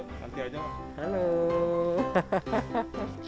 nanti aja pak